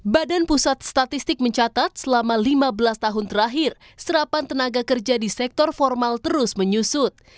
badan pusat statistik mencatat selama lima belas tahun terakhir serapan tenaga kerja di sektor formal terus menyusut